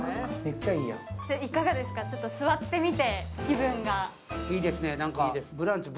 いかがですか、ちょっと座ってみて気分が。